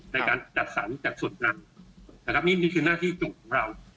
ในการจัดสรรจากส่วนนั้นนะครับนี่คือหน้าที่จุดของเรา